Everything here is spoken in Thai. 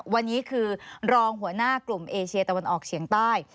วันนี้คือรองหัวหน้ากลุ่มเอเชียตะวันออกเฉียงใต้